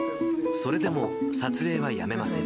それでも撮影はやめません。